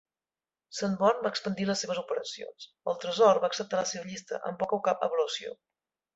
Sanborn va expandir les seves operacions, el Tresor va acceptar la seva llista amb poca o cap avaluació.